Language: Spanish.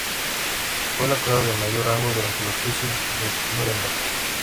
Fue el acusado de mayor rango durante los Juicios de Núremberg.